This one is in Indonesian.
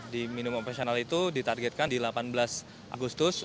di minum operasional itu ditargetkan di delapan belas agustus